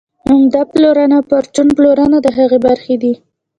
عمده پلورنه او پرچون پلورنه د هغې برخې دي